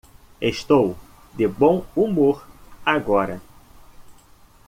Estou de bom humor agora.